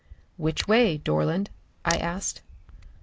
"Which way, Dorland?" I asked.